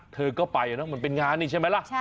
เธอก็ไปนะเหมือนเป็นงานนี่ใช่ไหมล่ะ